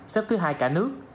xếp thứ hai cả nước